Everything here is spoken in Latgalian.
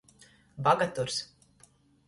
Bagaturs.